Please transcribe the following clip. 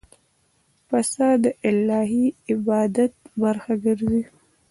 پسه د الهی عبادت برخه ګرځي.